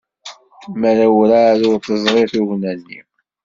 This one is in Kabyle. Mira werɛad ur teẓri tugna-nni.